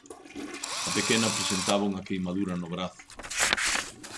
A pequena presentaba unha queimadura no brazo.